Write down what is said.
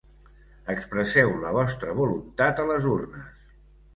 Expresseu la vostra voluntat a les urnes.